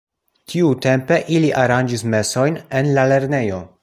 Tiutempe ili aranĝis mesojn en la lernejo.